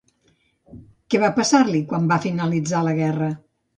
Què va passar-li quan va finalitzar la guerra?